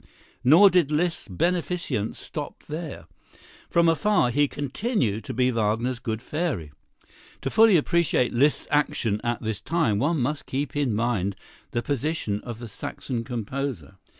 Nor did Liszt's beneficence stop there. From afar he continued to be Wagner's good fairy. To fully appreciate Liszt's action at this time, one must keep in mind the position of the Saxon composer.